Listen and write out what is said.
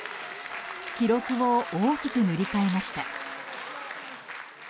記録を大きく塗り替えました。